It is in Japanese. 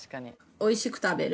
美味しく食べる。